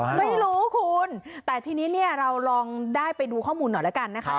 ไม่รู้คุณแต่ทีนี้เราลองได้ไปดูข้อมูลหน่อยละกันนะครับ